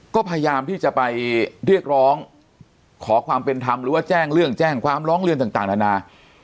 ก็พยายามที่จะไปเรียกร้องขอความเป็นธรรมหรือว่าแจ้งเรื่องแจ้งความร้องเรียนต่างนานา